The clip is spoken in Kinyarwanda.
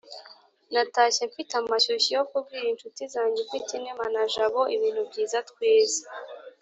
Natashye mfite amashyushyu yo kubwira inshuti zanjye Ufitinema na Jabo ibintu byiza twize.